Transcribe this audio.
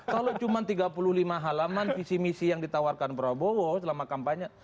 kalau cuma tiga puluh lima halaman visi misi yang ditawarkan prabowo selama kampanye